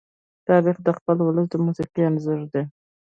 تاریخ د خپل ولس د موسیقي انځور دی.